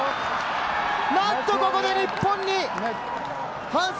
なんとここで、日本に反則！